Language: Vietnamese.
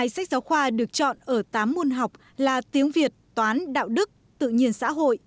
một mươi sách giáo khoa được chọn ở tám môn học là tiếng việt toán đạo đức tự nhiên xã hội